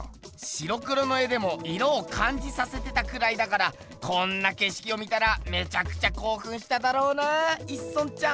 白黒の絵でも色をかんじさせてたくらいだからこんなけしきを見たらめちゃくちゃこうふんしただろうな一村ちゃん。